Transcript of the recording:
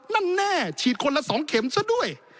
แน่ฉีดคนละ๒เข็มซะด้วย